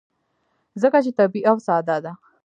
ځکه چې طبیعي او ساده ده.